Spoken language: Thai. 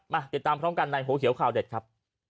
ติดตามพร้อมกันในหัวเขียวข่าวเด็ดครับ